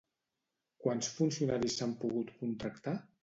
Quants funcionaris s'han pogut contractar?